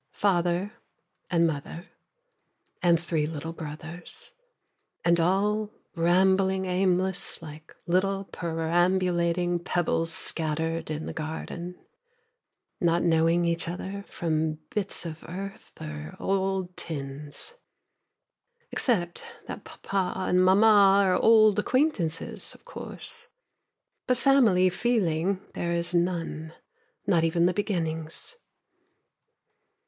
Father and mother, And three little brothers, And all rambling aimless, like little perambulating pebbles scattered in the garden, Not knowing each other from bits of earth or old tins. Except that papa and mama are old acquaintances, of course, But family feeling there is none, not even the beginnings.